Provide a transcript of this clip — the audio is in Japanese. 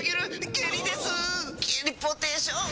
ゲリポーテーション。